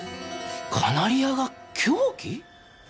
カナリアが凶器！？